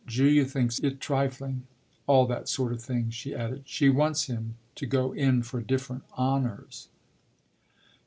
"Julia thinks it trifling all that sort of thing," she added "She wants him to go in for different honours."